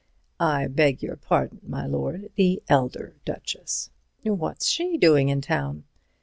"I beg your pardon, my lord, the elder Duchess." "What's she doing in town?"